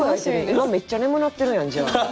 今めっちゃ眠なってるやんじゃあ。